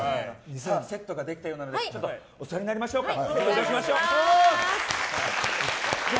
セットができたようなので座りましょうか。